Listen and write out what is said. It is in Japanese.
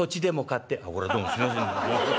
「こりゃどうもすいません。